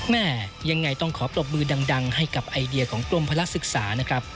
แม่ยังไงต้องขอปรบมือดังให้กับไอเดียของกรมพลักษึกษานะครับ